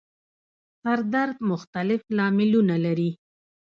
سر درد مختلف لاملونه لري